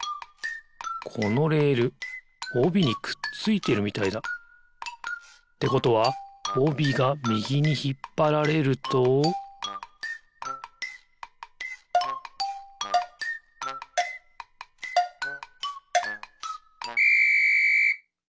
このレールおびにくっついてるみたいだ。ってことはおびがみぎにひっぱられるとピッ！